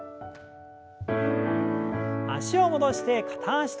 脚を戻して片脚跳び。